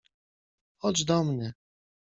— Chodź do mnie!